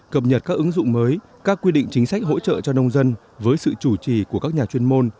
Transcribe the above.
cập nhật các ứng dụng mới các quy định chính sách hỗ trợ cho nông dân với sự chủ trì của các nhà chuyên môn